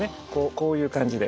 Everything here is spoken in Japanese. こういう感じで。